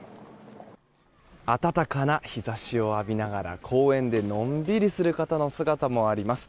暖かな日差しを浴びながら、公園でのんびりする方の姿もあります。